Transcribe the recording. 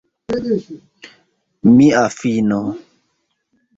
Mia fino!